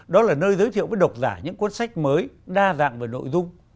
đó là nơi giới thiệu với độc giả những cuốn sách mới đa dạng về nội dung